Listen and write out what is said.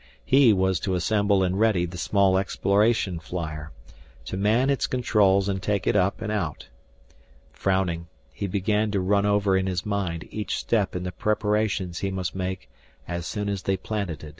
He was to assemble and ready the small exploration flyer, to man its controls and take it up and out. Frowning, he began to run over in his mind each step in the preparations he must make as soon as they planeted.